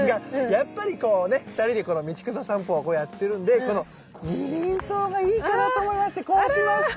やっぱりこうね２人でこの道草さんぽやってるんでこのニリンソウがいいかなと思いましてこうしました！